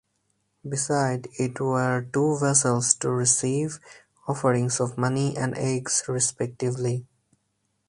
Beside it were two vessels to receive offerings of money and eggs respectively.